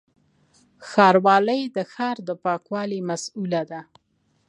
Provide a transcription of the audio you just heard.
ښاروالي د ښار د پاکوالي مسووله ده